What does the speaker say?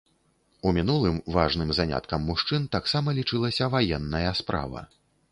У мінулым важным заняткам мужчын таксама лічылася ваенная справа.